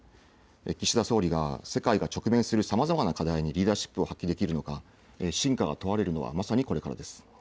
岸田総理が、世界が直面するさまざまな課題にリーダーシップを発揮できるのか、真価が問われるのはまさにこれからです。